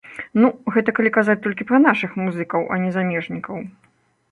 Ну, гэта калі казаць толькі пра нашых музыкаў, а не замежнікаў.